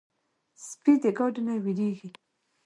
سپي د ګاډي نه وېرېږي.